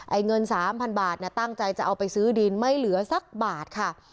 เงิน๓๐๐๐บาทเนี่ยตั้งใจจะเอาไปซื้อดินไม่เหลือสักบาทค่ะ